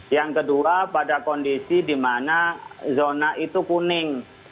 yang kedua pada kondisi di mana zona itu kuning